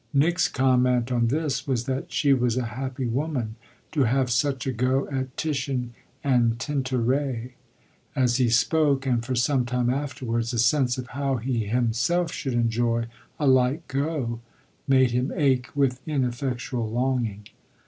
Nick's comment on this was that she was a happy woman to have such a go at Titian and Tintoret: as he spoke, and for some time afterwards, the sense of how he himself should enjoy a like "go" made him ache with ineffectual longing.